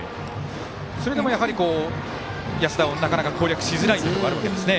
それでも、安田をなかなか攻略しづらいところがあるんですね。